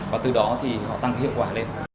và từ đó thì họ tăng hiệu quả lên